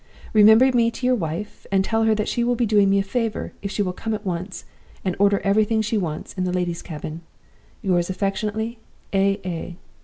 Remember me to your wife, and tell her she will be doing me a favor if she will come at once, and order everything she wants in the lady's cabin. Yours affectionately, A. A.